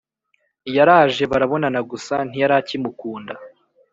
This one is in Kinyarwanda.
Yaraje barabonana gusa ntiyarakimukunda